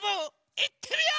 いってみよう！